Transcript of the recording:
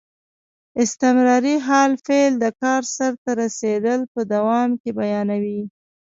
استمراري حال فعل د کار سرته رسېدل په دوام کې بیانیوي.